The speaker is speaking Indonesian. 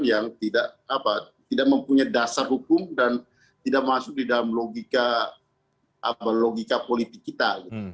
yang tidak mempunyai dasar hukum dan tidak masuk di dalam logika politik kita